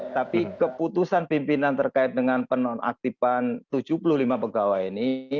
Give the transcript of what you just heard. tapi keputusan pimpinan terkait dengan penonaktifan tujuh puluh lima pegawai ini